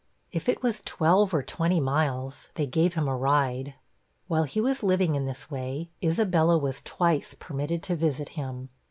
If it was twelve or twenty miles, they gave him a ride. While he was living in this way, Isabella was twice permitted to visit him.